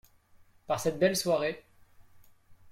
par cette belle soirée.